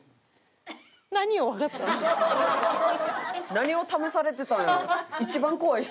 何を試されてたんやろう？